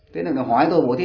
thế nên nó hỏi tôi